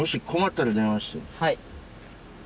はい。